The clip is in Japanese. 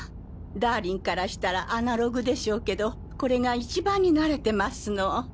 ダーリンからしたらアナログでしょうけどこれが一番に慣れてますの。